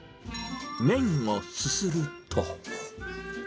麺をすすると。